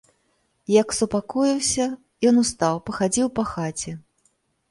Як супакоіўся, ён устаў, пахадзіў па хаце.